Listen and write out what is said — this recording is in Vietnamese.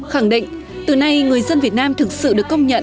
khẳng định từ nay người dân việt nam thực sự được công nhận